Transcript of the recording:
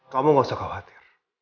kamu gak usah khawatir